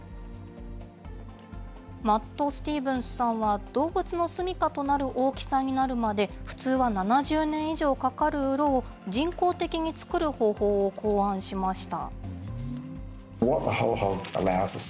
マット・スティーブンスさんは、動物の住みかとなる大きさになるまで普通は７０年以上かかるうろを、人工的に作る方法を考案しました。